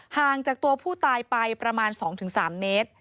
ห่างจากตัวผู้ตายไปประมาณ๒๓เมตร